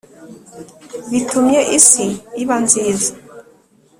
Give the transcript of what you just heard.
bitumye isi iba nziza.